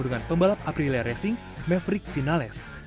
dengan pembalap aprilia racing maverick finales